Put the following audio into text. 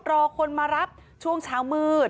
รอคนมารับช่วงเช้ามืด